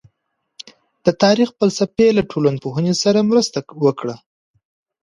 د تاريخ فلسفې له ټولنپوهنې سره مرسته وکړه.